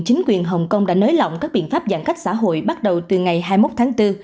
chính quyền hồng kông đã nới lỏng các biện pháp giãn cách xã hội bắt đầu từ ngày hai mươi một tháng bốn